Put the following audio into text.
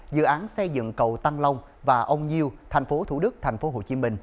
dự án xây dựng cầu tăng long và ông nhiêu tp thủ đức tp hcm